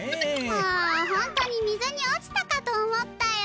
もうほんとに水に落ちたかと思ったよ。